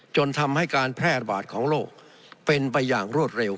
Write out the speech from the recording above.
จนทำให้การแพร่ระบาดของโรคเป็นไปอย่างรวดเร็ว